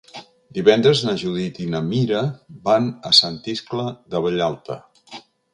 Divendres na Judit i na Mira van a Sant Iscle de Vallalta.